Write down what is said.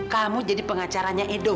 kamu jadi pengacaranya edo